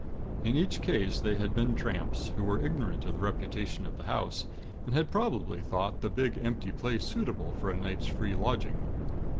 In each case they had been tramps, who were ignorant of the reputation of the house, and had probably thought the big empty place suitable for a night's free lodging.